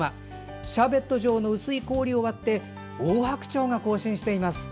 シャーベット状の薄い氷を割ってオオハクチョウが行進しています。